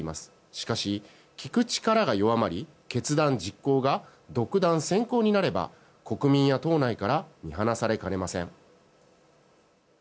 しかし、聞く力が弱まり決断実行が独断専行になれば国民や党内から見放されかねません。